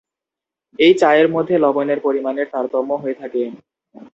এই চায়ের মধ্যে লবণের পরিমানের তারতম্য হয়ে থাকে।